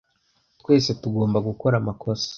Twese tugomba gukora amakosa.